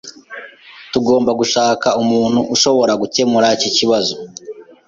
Tugomba gushaka umuntu ushobora gukemura iki kibazo.